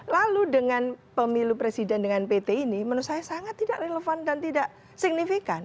lalu dengan pemilu presiden dengan pt ini menurut saya sangat tidak relevan dan tidak signifikan